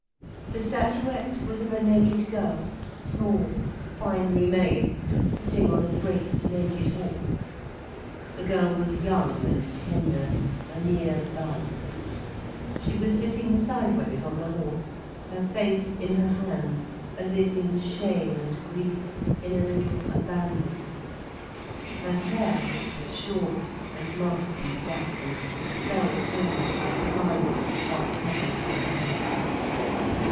The statuette was of a naked girl, small, finely made, sitting on a great naked horse. The girl was young and tender, a mere bud. She was sitting sideways on the horse, her face in her hands, as if in shame and grief, in a little abandon. Her hair, which was short and must be flaxen, fell forward, divided, half covering her hands.